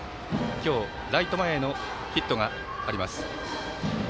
今日、ライト前へのヒットがあります。